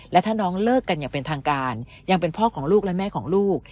และถ้าน้องเลิกกันอย่างเป็นทางการยังเป็นพ่อของลูกและแม่ของลูก